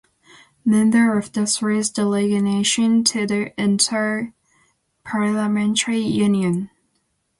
Member of the Swiss Delegation to the Inter-Parliamentary Union.